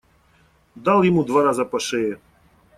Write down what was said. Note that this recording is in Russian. Дал ему два раза по шее.